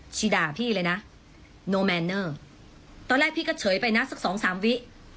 ชีด่าพี่เลยนะโนแมนเนอร์ตอนแรกพี่ก็เฉยไปนะสักสองสามวิ